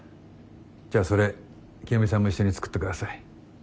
じゃあそれ清美さんも一緒に作ってください。